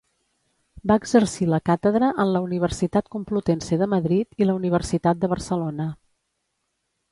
Va exercir la càtedra en la Universitat Complutense de Madrid i la Universitat de Barcelona.